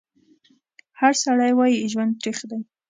هر سړی وایي ژوند تریخ دی